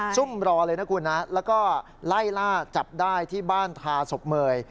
ซุ่มรอเลยนะคุณนะแล้วก็ไล่ล่าจับได้ที่บ้านทาศพเมย